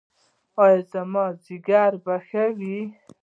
ایا زما ځیګر به ښه شي؟